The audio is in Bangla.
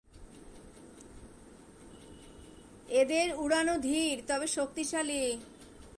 এদের উড়ান ধীর তবে শক্তিশালী।